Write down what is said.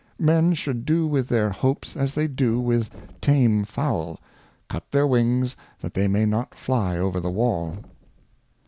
Men should do with their Hopes as they do with tame Fowl, cut their Wings that they may not fly over the Wall.